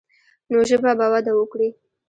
نو ژبه به وده وکړي.